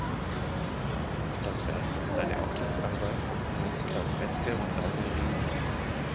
Das Werk ist eine Auftragsarbeit von Heinz-Klaus Metzger und Rainer Riehn.